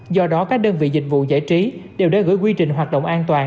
do đó các đơn vị dịch vụ giải trí đều đã gửi quy trình hoạt động an toàn